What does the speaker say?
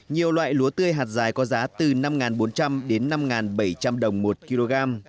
nhiều loại lúa tươi hạt dài có giá từ năm bốn trăm linh đến năm bảy trăm linh đồng một kg